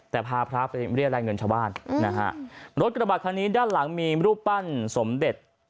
แต่พาพระไปเรียกรายเงินชาวบ้านนะฮะรถกระบะคันนี้ด้านหลังมีรูปปั้นสมเด็จ